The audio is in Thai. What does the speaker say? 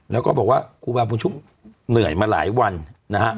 แล้วก็บอกว่าครูบาบุญชุบเหนื่อยมาหลายวันนะฮะ